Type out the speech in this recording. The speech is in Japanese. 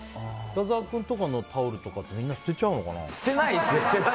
深澤君とかのタオルってみんな捨てちゃうのかな？